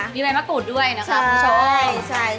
มีใบมะกรูดด้วยนะครับคุณผู้ชม